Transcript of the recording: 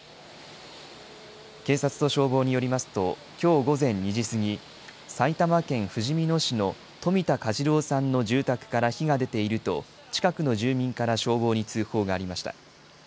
警察と消防によりますと、きょう午前２時過ぎ、埼玉県ふじみ野市の冨田嘉次郎さんの住宅から火が出ていると、近くの住民から消防に通報がありました。